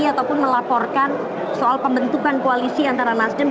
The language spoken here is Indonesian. ataupun melaporkan soal pembentukan koalisi antara nasdem